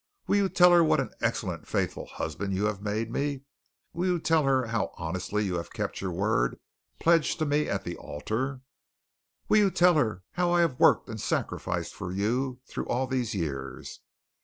"Will you tell her what an excellent, faithful husband you have made me? Will you tell her how honestly you have kept your word pledged to me at the altar? Will you tell her how I have worked and sacrificed for you through all these years?